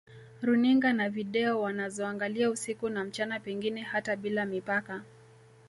Runinga na Video wanazoangalia usiku na mchana pengine hata bila mipaka